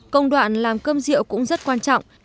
công đoạn làm cơm rượu cũng rất quan trọng